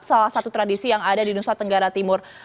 salah satu tradisi yang ada di nusa tenggara timur